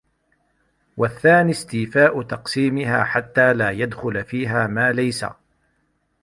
وَالثَّانِي اسْتِيفَاءُ تَقْسِيمِهَا حَتَّى لَا يَدْخُلَ فِيهَا مَا لَيْسَ